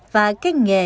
và cái nghề